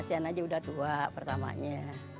asean aja udah tua pertamanya